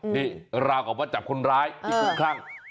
นี่ราวย์ก่อนกับว่าจับคนร้ายที่ทุกข้าง